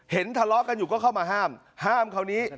ทะเลาะกันอยู่ก็เข้ามาห้ามห้ามคราวนี้